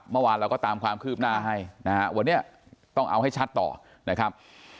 เมื่อวานเราก็ตามความคืบหน้าให้นะฮะวันนี้ต้องเอาให้ชัดต่อนะครับ